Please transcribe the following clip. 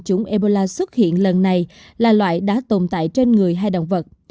chủng ebola xuất hiện lần này là loại đã tồn tại trên người hai động vật